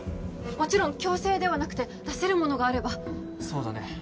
もちろん強制ではなくて出せるものがあればそうだね